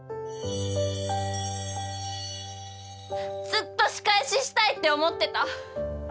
ずっと仕返ししたいって思ってた。